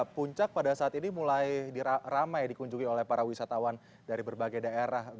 puncak pada saat ini mulai ramai dikunjungi oleh para wisatawan dari berbagai daerah